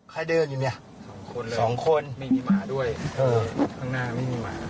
โคตรที่โคตรที่